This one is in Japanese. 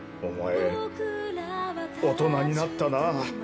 お前大人になったなぁ。